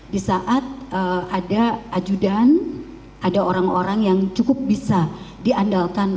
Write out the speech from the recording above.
di saat ada ajudan ada orang orang yang cukup bisa diandalkan